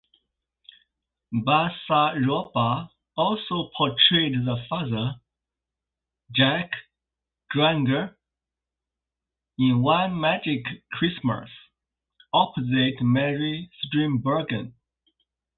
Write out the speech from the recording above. Basaraba also portrayed the father, Jack Grainger, in "One Magic Christmas", opposite Mary Steenburgen.